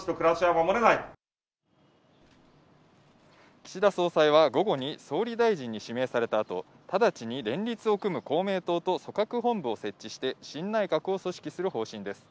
岸田総裁は午後に総理大臣に指名された後、直ちに連立を組む公明党と組閣本部を設置して新内閣を組織する方針です。